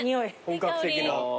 本格的な。